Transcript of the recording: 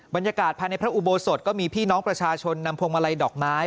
บรรยากาศภายในพระอุโบสถก็มีพี่น้องประชาชนนำพวงมาลัยดอกไม้